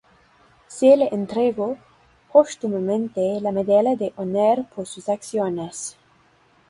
Se le entregó póstumamente la Medalla de Honor por sus acciones.